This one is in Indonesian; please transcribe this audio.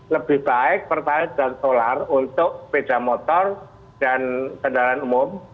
lebih baik pertalite dan solar untuk sepeda motor dan kendaraan umum